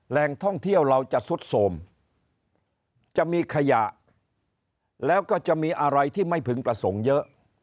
แหล่งท่องเที่ยวเราจะสุดโสมจะมีขยะแล้วก็จะมีอะไรที่ไม่พึงประสงค์เยอะ